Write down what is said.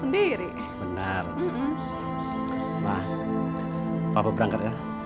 eh bu apa kabar